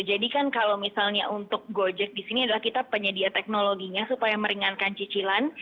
kan kalau misalnya untuk gojek di sini adalah kita penyedia teknologinya supaya meringankan cicilan